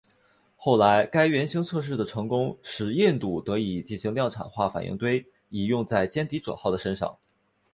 后来该原型测试的成功使印度得以进行量产化反应堆以用在歼敌者号的身上。